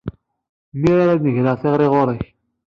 Mi ara n-greɣ tiɣri ɣur-k.